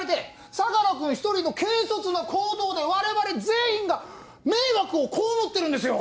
相良君１人の軽率な行動で我々全員が迷惑を被ってるんですよ！